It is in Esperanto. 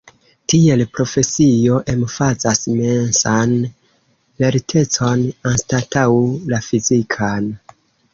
Tiel, profesio emfazas mensan lertecon anstataŭ la fizikan.